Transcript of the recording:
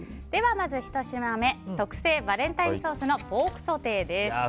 ではまず１品目特製バレンタインソースのポークソテーです。